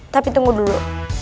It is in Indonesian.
tapi tunggu dulu